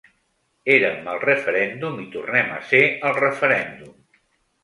Érem al referèndum i tornem a ser al referèndum.